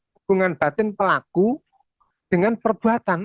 hubungan batin pelaku dengan perbuatan